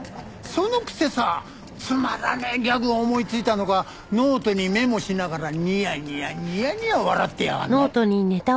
そのくせさつまらねえギャグ思いついたのかノートにメモしながらニヤニヤニヤニヤ笑ってやがんの。